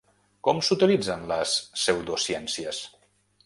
Com s’utilitzen les pseudociències?